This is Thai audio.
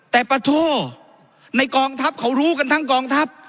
แต่ปะโทในกองทัพเขารู้กันทั้งกองทัพ